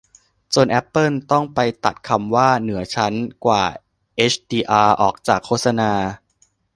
จนแอปเปิลต้องไปตัดคำว่า เหนือชั้นกว่าเฮชดีอาร์ ออกจากโฆษณา